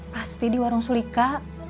pasti di warung sulika